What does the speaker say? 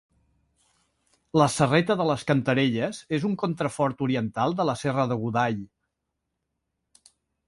La serreta de les Cantarelles és un contrafort oriental de la serra de Godall.